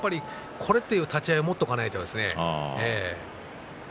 これという立ち合いを持っておかないとですね。